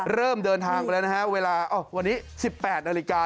เริ่มเดินทางไปแล้วนะฮะเวลาวันนี้๑๘นาฬิกา